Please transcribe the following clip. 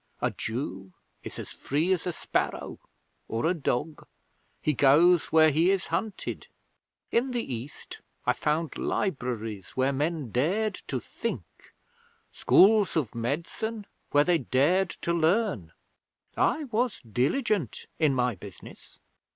A Jew is as free as a sparrow or a dog. He goes where he is hunted. In the East I found libraries where men dared to think schools of medicine where they dared to learn. I was diligent in my business.